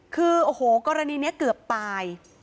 คือกรณีนี้เกือบตาย